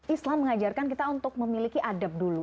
islam mengajarkan kita untuk memiliki adab dulu